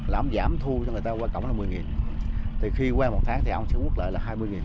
làm giảm thu cho người ta qua cổng là một mươi thì khi qua một tháng thì ông sẽ quốc lợi là hai mươi